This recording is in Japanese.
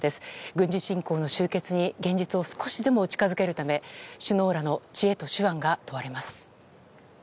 軍事侵攻の終結に現実を少しでも近づけるため首脳らの知恵と手腕が問われます。